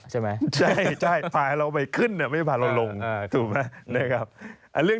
ใช่พาเราไปขึ้นไม่พาเราลง